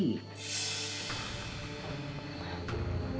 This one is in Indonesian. menjadi istri seorang nabi